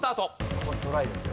ここトライですよ。